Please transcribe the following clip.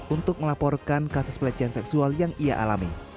untuk melaporkan kasus pelecehan seksual yang ia alami